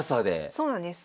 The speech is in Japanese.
そうなんです。